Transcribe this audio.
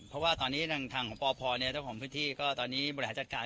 เพราะว่าตอนนี้ทางของปพเจ้าของพื้นที่ก็ตอนนี้บริหารจัดการ